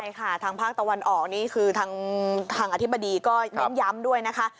ใช่ค่ะทางภาคตะวันออกนี่คือทางอธิบดีก็เน้นย้ำด้วยนะคะ